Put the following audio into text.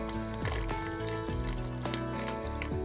ini adalah bagian dari bagian dari